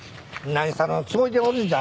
何様のつもりでおるんじゃ。